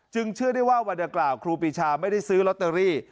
เชื่อได้ว่าวันดังกล่าวครูปีชาไม่ได้ซื้อลอตเตอรี่